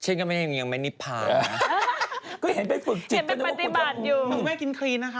เช่นก็ไม่เห็นยังไม่นิพาน